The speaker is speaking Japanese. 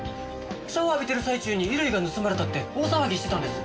シャワー浴びてる最中に衣類が盗まれたって大騒ぎしてたんです。